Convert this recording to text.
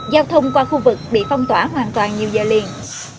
giao thông qua khu vực bị phong tỏa hoàn toàn nhiều giờ liền